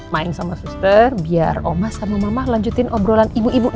main sama suster biar oma sama mama lanjutin obrolan ibu ibu ya kan